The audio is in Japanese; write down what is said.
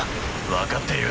分かっている。